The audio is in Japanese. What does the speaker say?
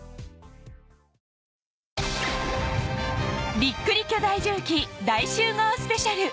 びっくり巨大重機大集合スペシャル